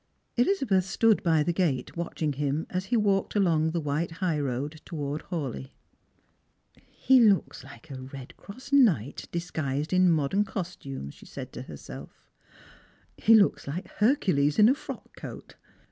Elizabeth stood by the gate watching him as he walked along khe white high road towards Hawleigh. " He looks like a red cross knight disguised in modern cos tume," ^he said to herself; "he looks like Hercules in a frock coat.